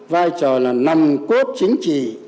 vai trò là nằm cốt chính trị